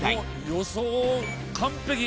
予想完璧。